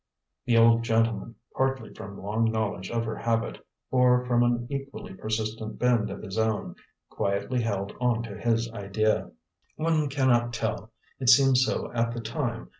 The old gentleman, partly from long knowledge of her habit, or from an equally persistent bend of his own, quietly held on to his idea. "One cannot tell. It seems so at the time.